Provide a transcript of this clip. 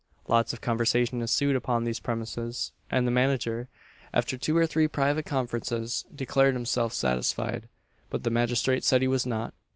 Lots of conversation ensued upon these premises, and the manager, after two or three private conferences, declared himself satisfied, but the magistrate said he was not.